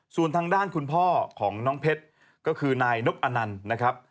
ส่วนทางด้านคุณพ่อของน้องเพชรก็คือนายนกอนันต์นะครับ